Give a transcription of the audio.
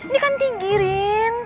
ini kan tinggi rin